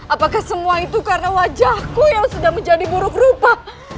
apakah semua itu karena wajahku yang sudah menjadi buruk rupa